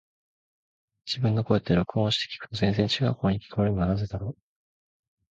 自分の声って、録音して聞くと全然違う声に聞こえるのはなぜだろう。